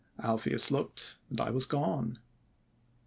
"Alpheus looked and I was gone.